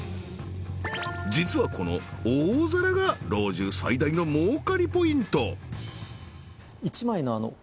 実はこの大皿が老中最大の儲かりポイント